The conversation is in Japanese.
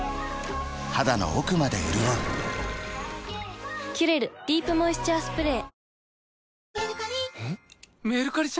肌の奥まで潤う「キュレルディープモイスチャースプレー」